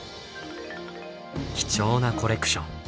貴重なコレクション。